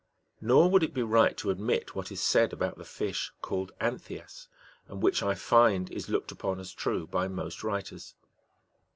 Nor would it be right to omit what is said about the fish called anthias, and which I find is looked upon as true by most writers.